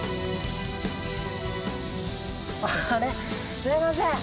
すいません。